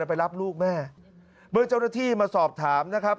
ไปรับลูกแม่เมื่อเจ้าหน้าที่มาสอบถามนะครับ